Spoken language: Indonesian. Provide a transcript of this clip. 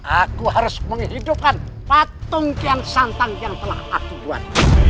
aku harus menghidupkan patung tiang santang yang telah aku buat